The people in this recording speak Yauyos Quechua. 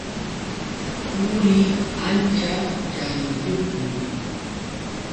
Quri ancha chaniyuqmi.